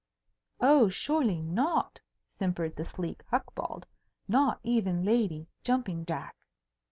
"Oh, surely not," simpered the sleek Hucbald. "Not even Lady Jumping Jack."